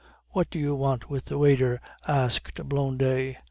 "What do you want with the waiter?" asked Blondet.